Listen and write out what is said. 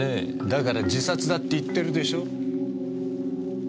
だから自殺だって言ってるでしょ。